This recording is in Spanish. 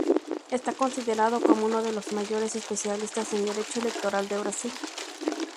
Está considerado como uno de los mayores especialistas en Derecho Electoral de Brasil.